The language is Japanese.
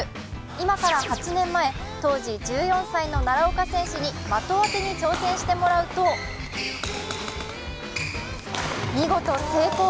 今から８年前、当時１４歳の奈良岡選手に的当てに挑戦してもらうと見事成功！